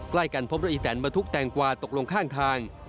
ใกล้กันพบรถอีแตนบรรทุกแตงกวาตกลงข้างทาง